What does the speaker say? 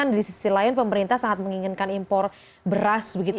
di sisi lain pemerintah sangat menginginkan impor beras begitu